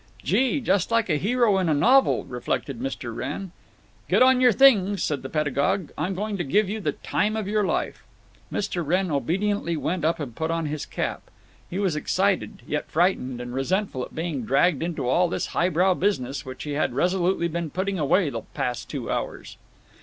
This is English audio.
"Gee! just like a hero in a novel!" reflected Mr. Wrenn. "Get on your things," said the pedagogue. "I'm going to give you the time of your life." Mr. Wrenn obediently went up and put on his cap. He was excited, yet frightened and resentful at being "dragged into all this highbrow business" which he had resolutely been putting away the past two hours.